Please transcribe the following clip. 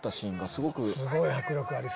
すごい迫力ありそう。